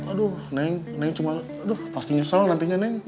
aduh neng neng cuma aduh pasti nyesel nantinya neng